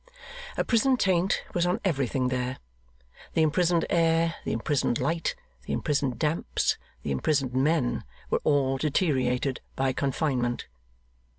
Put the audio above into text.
A prison taint was on everything there. The imprisoned air, the imprisoned light, the imprisoned damps, the imprisoned men, were all deteriorated by confinement.